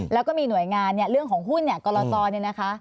แล้วก็มีหน่วยงานเนี่ยเรื่องของหุ้นเนี่ยกรตเนี่ยนะคะ